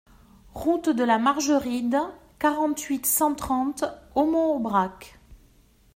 Route de la Margeride, quarante-huit, cent trente Aumont-Aubrac